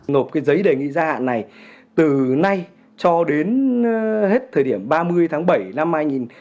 nộp cái giấy đề nghị gia hạn này từ nay cho đến hết thời điểm ba mươi tháng bảy năm hai nghìn hai mươi